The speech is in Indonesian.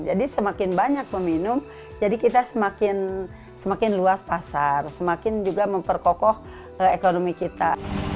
jadi semakin banyak meminum jadi kita semakin luas pasar semakin juga memperkokoh ekonomi kita